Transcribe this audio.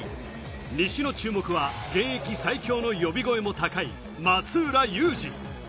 西の注目は現役最強の呼び声も高い松浦悠士。